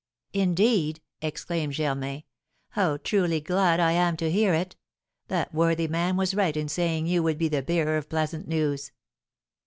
"Indeed!" exclaimed Germain; "how truly glad I am to hear it! That worthy man was right in saying you would be the bearer of pleasant news."